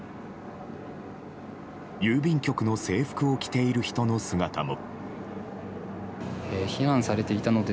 郵便局の制服を着ている人の姿も。